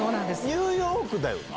ニューヨークだよな？